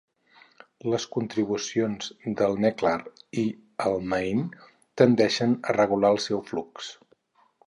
Les contribucions del Neckar i el Main tendeixen a regular el seu flux.